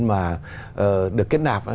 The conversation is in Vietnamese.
mà được kết nạp